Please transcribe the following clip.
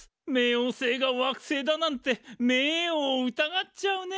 冥王星が惑星だなんて目ぇを疑っちゃうね。